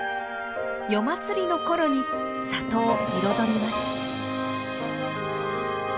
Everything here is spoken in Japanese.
夜祭りの頃に里を彩ります。